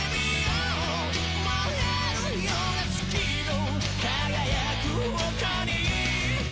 「燃えるような月の輝く丘に」